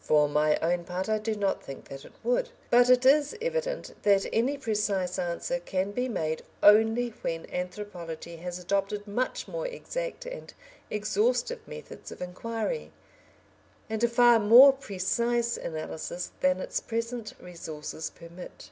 For my own part I do not think that it would. But it is evident that any precise answer can be made only when anthropology has adopted much more exact and exhaustive methods of inquiry, and a far more precise analysis than its present resources permit.